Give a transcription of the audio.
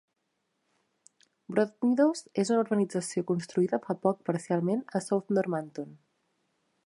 Broadmeadows és una urbanització construïda fa poc parcialment a South Normanton.